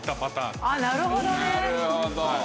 なるほどね！